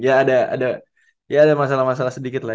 ya ada masalah masalah sedikit lah